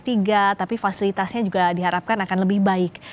dan kelas empat itu juga sudah diharapkan akan lebih baik